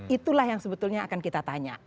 itulah yang sebetulnya akan kita tanya